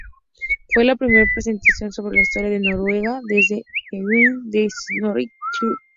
Fue la primera presentación sobre la historia de Noruega desde Heimskringla de Snorri Sturluson.